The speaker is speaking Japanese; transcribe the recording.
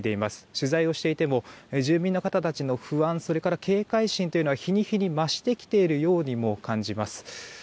取材をしていても住民の方たちの不安警戒心というのが日に日に増してきているようにも感じます。